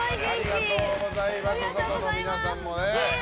外の皆さんもね。